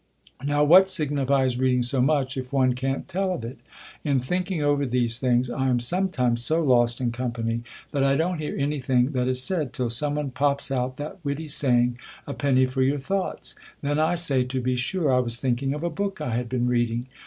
Now, what signifies reading so much if one can't tell of it? In thinking over these things, I ana sometimes so lost in company, that I don't hear any thing that is said, till some one pops out that witty saying, " A penny for your thoughts." Then 1 say, to be sure, I was thinking of a book I had been reading.